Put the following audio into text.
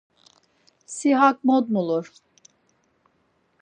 Si hak mot mulur!